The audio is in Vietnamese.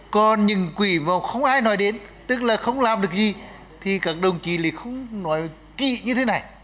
còn những quỷ vào không ai nói đến tức là không làm được gì thì các đồng chí lại không nói kỹ như thế này